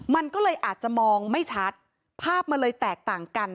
มันก็เลยอาจจะมองไม่ชัดภาพมันเลยแตกต่างกัน